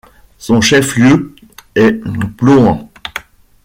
Son chef lieu est Plauen.